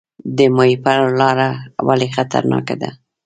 د ماهیپر لاره ولې خطرناکه ده؟